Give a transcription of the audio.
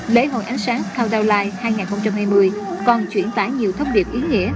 lễ hội ánh sáng countdown lights hai nghìn hai mươi còn chuyển tải nhiều thông điệp ý nghĩa